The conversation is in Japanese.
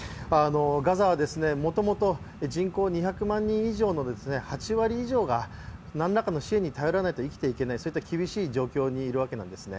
ガザはもともと人口２００万人以上の８割以上が何らかの支援に頼らないと生きていけない、生きていけない、そういった厳しい状況にいるわけですね。